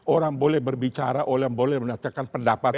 orang boleh berbicara orang boleh menerjakan pendapatnya